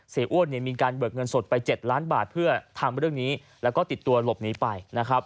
อ้วนมีการเบิกเงินสดไป๗ล้านบาทเพื่อทำเรื่องนี้แล้วก็ติดตัวหลบหนีไปนะครับ